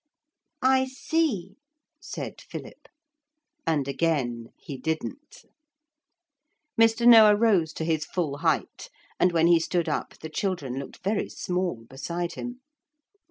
'I see,' said Philip. And again he didn't. Mr. Noah rose to his full height, and when he stood up the children looked very small beside him.